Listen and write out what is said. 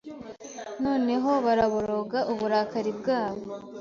Noneho baraboroga uburakari bwabo